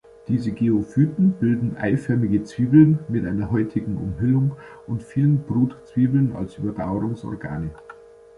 Diese Geophyten bilden eiförmige Zwiebeln mit einer häutigen Umhüllung und vielen Brutzwiebeln als Überdauerungsorgane.